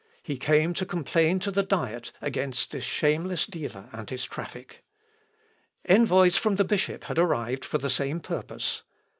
He came to complain to the Diet against this shameless dealer and his traffic. Envoys from the bishop had arrived for the same purpose.